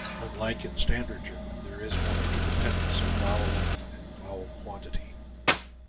Unlike in standard German, there is no interdependence of vowel length and vowel quantity.